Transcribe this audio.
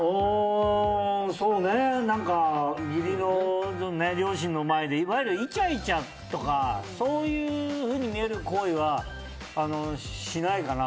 そうね、義理の両親の前でいわゆるイチャイチャとかそういうふうに見える行為はしないかな。